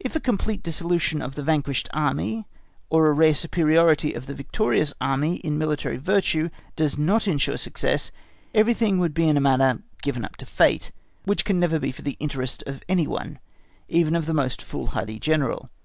If a complete dissolution of the vanquished Army, or a rare superiority of the victorious Army in military virtue does not ensure success, everything would in a manner be given up to fate, which can never be for the interest of any one, even of the most fool hardy General.